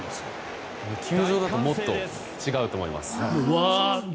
球場だともっと違うと思います。